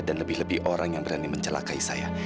dan lebih lebih orang yang berani mencelakai saya